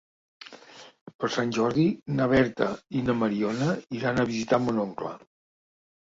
Per Sant Jordi na Berta i na Mariona iran a visitar mon oncle.